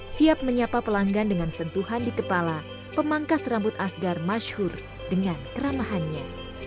siap menyapa pelanggan dengan sentuhan di kepala pemangkas rambut asgar masyur dengan keramahannya